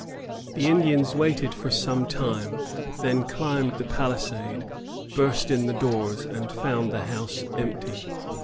The Indians waited for some time, then climbed the palisade, burst in the doors, and found the house empty.